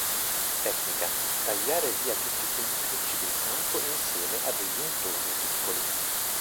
Tecnica: tagliare via tutti i punti critici del campo insieme a degli intorni piccoli.